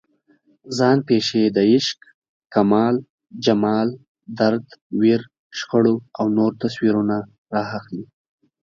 ځان پېښې د عشق، کمال، جمال، درد، ویر، شخړو او نورو تصویرونه راخلي.